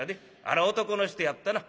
あれは男の人やったな。